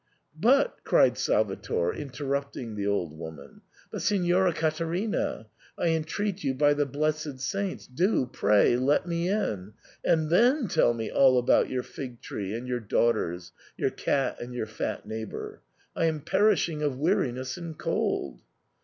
" But," cried Salvator, internipting the old woman, but, Signora Caterina, I entreat you by the blessed saints, do, pray, let me in, and then tell me all about your fig tree and your daughters, your cat and your fat neighbour — I am perishing of weariness and cold."